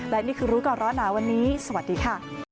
และนี่คือรู้ก่อนร้อนหนาวันนี้สวัสดีค่ะ